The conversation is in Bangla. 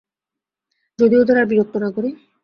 যদি ওদের আর বিরক্ত না করি?